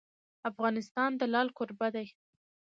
افغانستان د لعل کوربه دی.